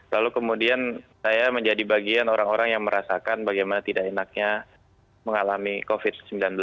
lalu kemudian saya menjadi bagian orang orang yang merasakan bagaimana tidak enaknya mengalami covid sembilan belas